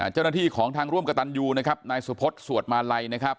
เจ้าหน้าที่ของทางร่วมกระตันยูนะครับนายสุพศสวดมาลัยนะครับ